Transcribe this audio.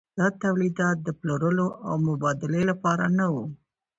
دا تولیدات د پلورلو او مبادلې لپاره نه وو.